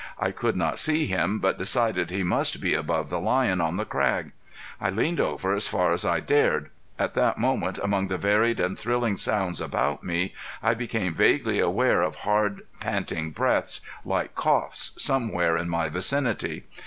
I could not see him but decided he must be above the lion on the crag. I leaned over as far as I dared. At that moment among the varied and thrilling sounds about me I became vaguely aware of hard, panting breaths, like coughs somewhere in my vicinity.